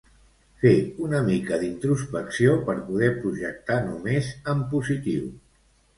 Fer una mica d'introspecció per poder projectar només en positiu.